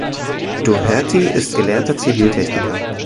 Doherty ist gelernter Ziviltechniker.